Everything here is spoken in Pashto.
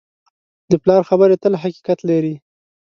د پلار خبرې تل حقیقت لري.